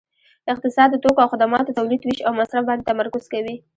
اقتصاد د توکو او خدماتو تولید ویش او مصرف باندې تمرکز کوي